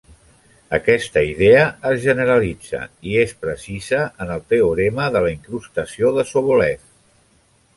Aquesta idea es generalitza i es precisa en el teorema de la incrustació de Sobolev.